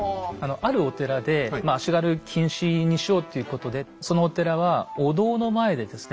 あるお寺で足軽禁止にしようということでそのお寺はお堂の前でですね